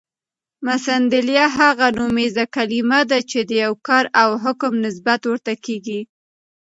مسندالیه: هغه نومیزه کلیمه ده، چي د یو کار او حکم نسبت ورته کیږي.